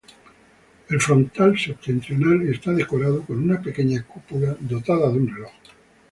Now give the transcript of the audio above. El frontal septentrional está decorado con una pequeña cúpula, dotada de un reloj.